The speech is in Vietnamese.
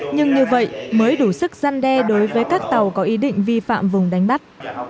nhưng như vậy mới đủ sức gian đe đối với các tàu có ý định vi phạm vùng đánh bắt